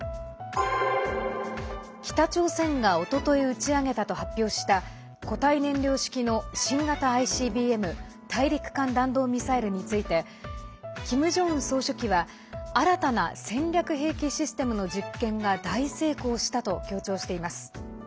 北朝鮮がおととい打ち上げたと発表した固体燃料式の新型ＩＣＢＭ＝大陸間弾道ミサイルについてキム・ジョンウン総書記は新たな戦略兵器システムの実験が大成功したと強調しています。